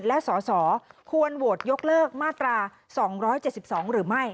และสสควรโหวตยกเลิกมาตรา๒๗๒หรือไม่